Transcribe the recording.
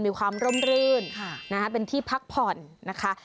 มีความร่มรื่นค่ะนะฮะเป็นที่พักผ่อนนะคะ